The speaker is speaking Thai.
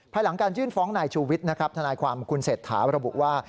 ภายหลังการยื่นฟ้องนายชูวิทย์ทนายความคุณเศษฐาบรบบุว่า